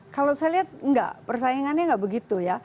kalau saya lihat enggak persaingannya enggak begitu ya